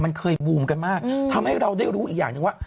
มันเคยบูมกันมากทำให้เราได้รู้อีกอย่างหนึ่งว่า